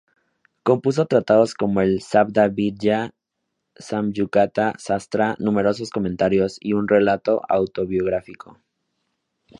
Compuso tratados, como el "Sabdavidya-samyukta Sastra", numerosos comentarios y un relato autobiográfico.